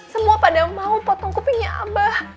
semua pada mau potong kopinya abah